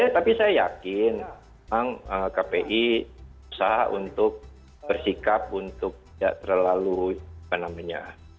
tapi saya yakin memang kpi usaha untuk bersikap untuk tidak terlalu apa namanya